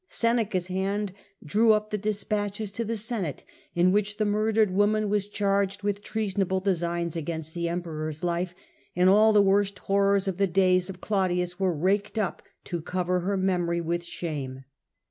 Seneca's hand drew up the dispatches to the Senate in which the murdered woman was charged with treasonable designs against the Emperor's life, and all the worst horrors of the days of Claudius were raked up to cover her memory with shame.